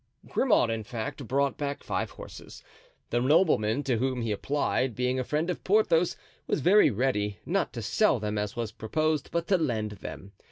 Grimaud, in fact, brought back five horses. The nobleman to whom he applied, being a friend of Porthos, was very ready, not to sell them, as was proposed, but to lend them.